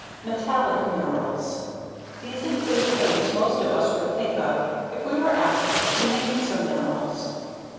METALLIC MINERALS. These include things most of us would think of if we were asked to name some minerals.